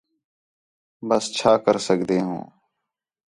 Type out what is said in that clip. ٻَس چھا کر سڳدے ہوں